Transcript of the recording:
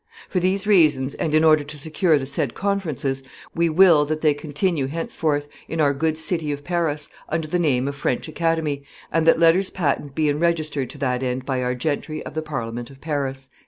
For these reasons and in order to secure the said conferences, we will that they continue henceforth, in our good city of Paris, under the name of French Academy, and that letters patent be enregistered to that end by our gentry of the Parliament of Paris."